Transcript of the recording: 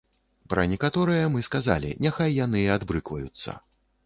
Пра некаторыя мы сказалі, няхай яны і адбрыкваюцца.